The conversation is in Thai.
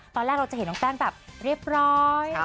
ตอนแรกเราจะเห็นน้องแป้งแบบเรียบร้อย